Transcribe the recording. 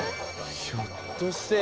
ひょっとして？